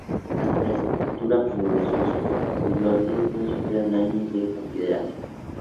Tanto su estructura como sus pilotes no sufrieron daños de consideración.